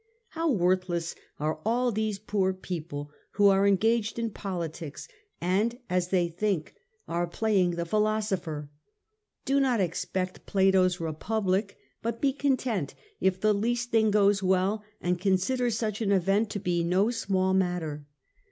' How worthless ^^ are all these poor people who are engaged in too am politics, and, as they think, are playing the [jjo hope°'^ philosopher !... Do not expect Plato's Re in his public, but be content if the least thing goes well, and consider such an event to be no small matter.